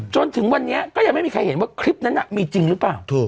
จนถึงวันนี้ก็ยังไม่มีใครเห็นว่าคลิปนั้นมีจริงหรือเปล่า